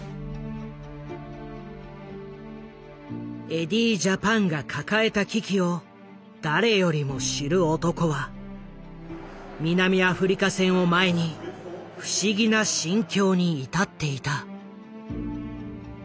エディー・ジャパンが抱えた危機を誰よりも知る男は南アフリカ戦を前に不思議な心境に至っていた。